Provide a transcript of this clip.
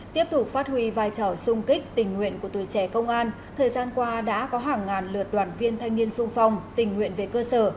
tiếp tục phát huy vai trò sung kích tình nguyện của tuổi trẻ công an thời gian qua đã có hàng ngàn lượt đoàn viên thanh niên sung phong tình nguyện về cơ sở